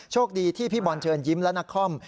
โชคดีที่พี่บอลเชิญยิ้มแล้วนะคร่อม